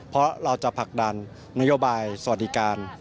เพราะเราจะผลักดันนโยบายสวัสดิการ